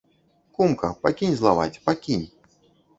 Кумка, пакінь злаваць, пакінь.